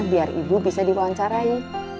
biar ibu bisa diwawancarai